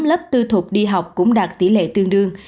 lớp tư thục đi học cũng đạt tỷ lệ tương đương